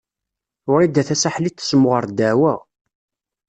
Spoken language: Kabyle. Wrida Tasaḥlit tessemɣer ddeɛwa.